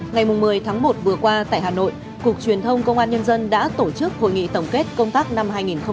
ngày một mươi tháng một vừa qua tại hà nội cục truyền thông công an nhân dân đã tổ chức hội nghị tổng kết công tác năm hai nghìn hai mươi ba